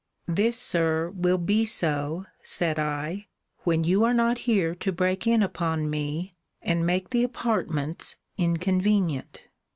This, Sir, will be so, said I, when you are not here to break in upon me, and make the apartments inconvenient.